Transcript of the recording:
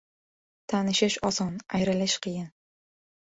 • Tanishish oson, ayrilish qiyin.